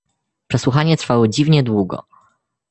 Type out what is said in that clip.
"Przesłuchanie trwało dziwnie długo."